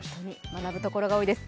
学ぶところが多いです。